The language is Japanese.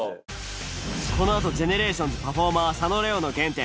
このあとＧＥＮＥＲＡＴＩＯＮＳパフォーマー佐野玲於の原点